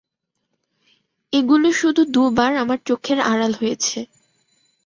এগুলো শুধু দু বার আমার চোখের আড়াল হয়েছে।